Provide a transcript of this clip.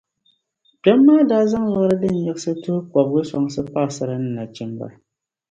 Kpem maa daa zaŋ liɣiri din yiɣisi tuhi kobiga soŋsi pagisara ni nachimba.